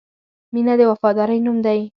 • مینه د وفادارۍ نوم دی.